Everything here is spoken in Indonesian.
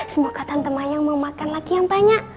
semoga tante mayang mau makan lagi yang banyak